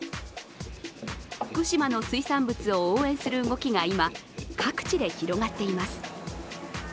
福島の水産物を応援する動きが今、各地で広がっています。